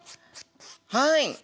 はい。